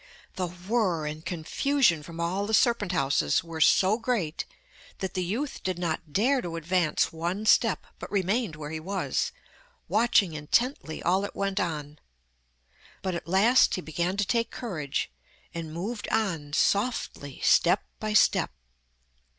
The whirr and confusion from all the serpent houses were so great that the youth did not dare to advance one step, but remained where he was, watching intently all that went on; but at last he began to take courage, and moved on softly step by step.